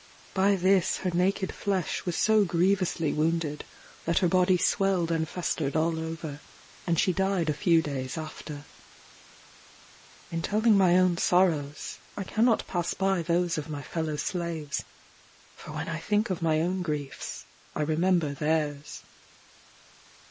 By this her naked flesh was so grievously wounded, that her body swelled and festered all over, and she died a few days after. In telling my own sorrows, I cannot pass by those of my fellow slaves for when I think of my own griefs, I remember theirs.